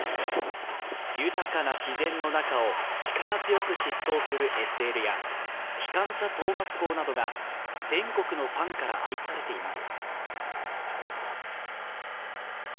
豊かな自然の中を力強く疾走するＳＬや「きかんしゃトーマス号」などが全国のファンから愛されています。